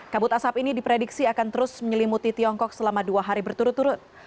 kabut asap ini diprediksi akan terus menyelimuti tiongkok selama dua hari berturut turut